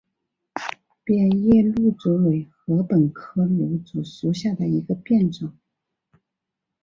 变叶芦竹为禾本科芦竹属下的一个变种。